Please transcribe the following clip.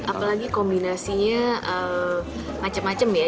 apalagi kombinasinya macem macem ya